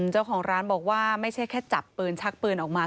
เจ้าของร้านบอกว่าไม่ใช่แค่จับปืนชักปืนออกมา